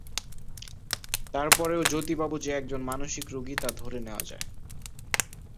তার পরেও জ্যোতিবাবু যে একজন মানসিক রূগী তা ধরে নেওয়া যায়।